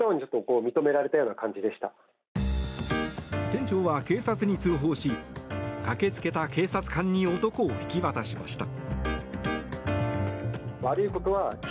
店長は警察に通報し駆けつけた警察官に男を引き渡しました。